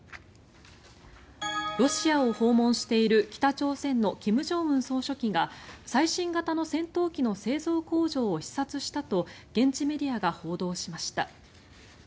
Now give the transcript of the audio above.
ロシアを訪問している北朝鮮の金正恩総書記が最新型の戦闘機の製造工場を視察したと現地メディアが報道しました。